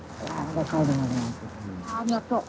ありがとう。